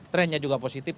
trendnya juga positif